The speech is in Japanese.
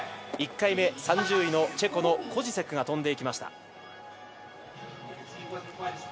２回目、３０位のチェコのコジセクが飛んでいきました。